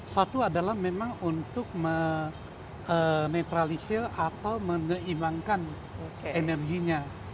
satu adalah memang untuk menetralisir atau menyeimbangkan energinya